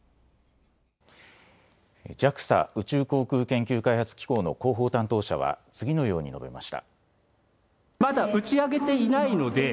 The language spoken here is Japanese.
ＪＡＸＡ・宇宙航空研究開発機構の広報担当者は次のように述べました。